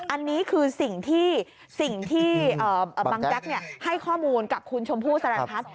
อันนี้คือสิ่งที่บังแจ็คให้ข้อมูลกับคุณชมพู่สรรคัต